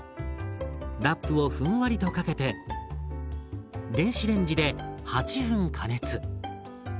ラップをふんわりとかけて電子レンジで８分加熱。